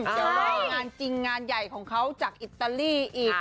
จะรองานจริงงานใหญ่ของเขาจากอิตาลีอีก